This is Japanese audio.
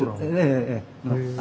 ええ。